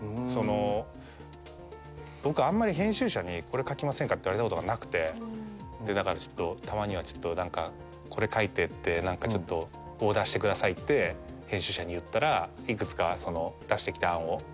僕あんまり編集者にこれ書きませんかって言われたことがなくてだからちょっとたまには何かこれ書いてってちょっとオーダーしてくださいって編集者に言ったら幾つか出してきた案を。